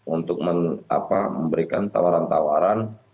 untuk memberikan tawaran tawaran